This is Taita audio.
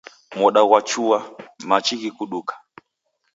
Moda ghwachua, machi ghikuduka.